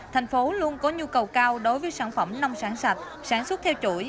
thành phố luôn có nhu cầu cao đối với sản phẩm nông sản sạch sản xuất theo chuỗi